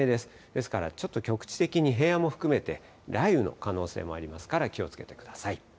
ですから、ちょっと局地的に平野も含めて、雷雨の可能性もありますから、気をつけてください。